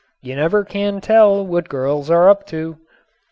You never can tell what girls are up to.